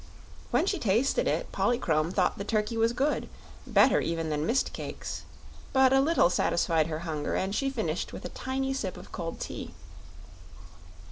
When she tasted it Polychrome thought the turkey was good better even than mist cakes; but a little satisfied her hunger and she finished with a tiny sip of cold tea.